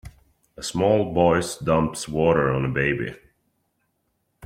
A small boys dumps water on a baby.